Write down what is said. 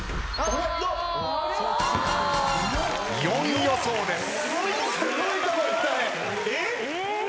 ４位予想です。